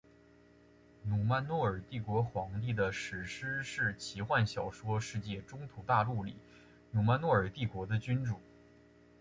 努曼诺尔帝国皇帝的史诗式奇幻小说世界中土大陆里努曼诺尔帝国的君主。